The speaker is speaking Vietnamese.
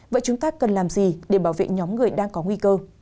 vậy chúng ta cần làm gì để bảo vệ nhóm người đang có nguy cơ